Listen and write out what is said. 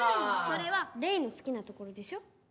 それはレイのすきなところでしょ。